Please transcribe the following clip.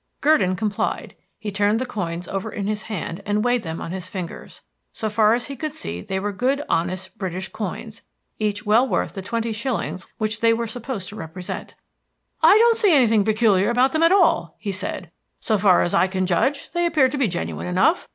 Gurdon complied; he turned the coins over in his hand and weighed them on his fingers. So far as he could see they were good, honest, British coins, each well worth the twenty shillings which they were supposed to represent. "I don't see anything peculiar about them at all," he said. "So far as I can judge, they appear to be genuine enough.